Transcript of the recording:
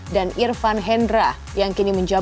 dan irvan hendra yang kini menjabatkan